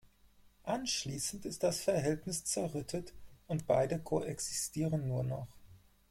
Anschließend ist das Verhältnis zerrüttet und beide koexistieren nur noch.